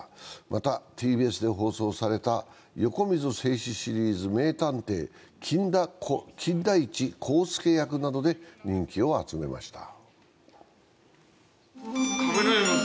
また、ＴＢＳで放送された横溝正史シリーズ、名探偵・金田一耕助役などで人気を集めました。